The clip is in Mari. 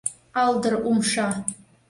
Алдыр умша!..